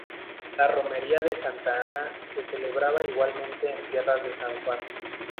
La romería de Santa Ana se celebraba igualmente en tierras de San Juan.